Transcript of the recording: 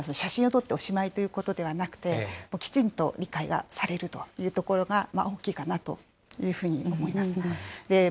これまでみたいな、写真を撮っておしまいということではなくて、きちんと理解がされるというところが大きいかなというふうに思っています。